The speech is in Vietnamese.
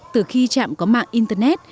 từ khi chạm có mạng internet